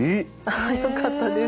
あっよかったです。